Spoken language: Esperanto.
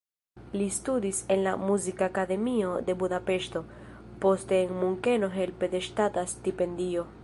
Li studis en la Muzikakademio de Budapeŝto, poste en Munkeno helpe de ŝtata stipendio.